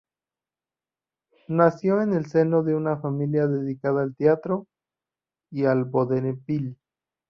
Nació en el seno de una familia dedicada al teatro y al vodevil.